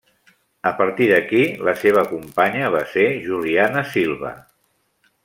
A partir d'aquí la seva companya va ser Juliana Silva.